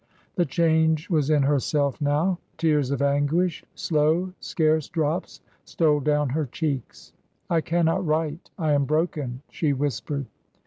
The change was in herself now. Tears of anguish — slow, scarce drops — stole down her cheeks. " I cannot write. I am broken," she whispered.